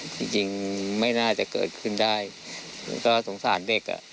จริงจริงไม่น่าจะเกิดขึ้นได้ก็สงสารเด็กอ่ะ